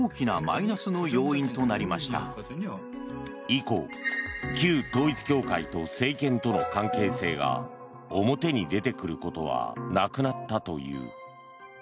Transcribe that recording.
以降、旧統一教会と政権との関係性が表に出てくることはなくなったという。